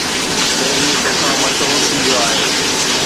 بيري تو کان مشهور ٿي ويو آهي